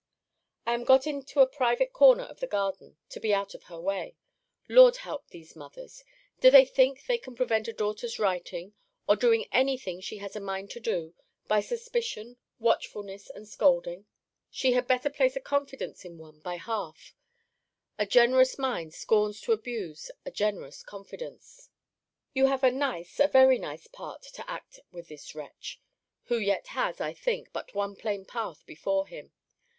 I am got into a private corner of the garden, to be out of her way. Lord help these mothers! Do they think they can prevent a daughter's writing, or doing any thing she has a mind to do, by suspicion, watchfulness, and scolding? They had better place a confidence in one by half A generous mind scorns to abuse a generous confidence. You have a nice, a very nice part to act with this wretch who yet has, I think, but one plain path before him.